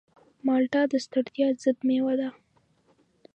مالټه د ستړیا ضد مېوه ده.